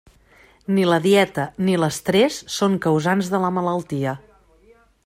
Ni la dieta ni l'estrés són causants de la malaltia.